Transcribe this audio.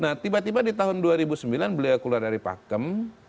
nah tiba tiba di tahun dua ribu sembilan beliau keluar dari pakem